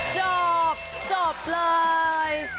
จอบจอบเลย